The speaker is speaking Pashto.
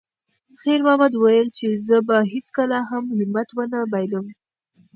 خیر محمد وویل چې زه به هیڅکله هم همت ونه بایللم.